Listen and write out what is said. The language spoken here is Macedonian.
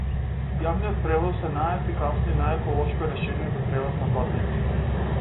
Јавниот превоз е најефикасно и најеколошко решение за превоз на патници.